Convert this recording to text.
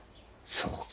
そうか。